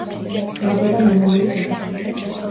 დაიბადა მემამულის ოჯახში.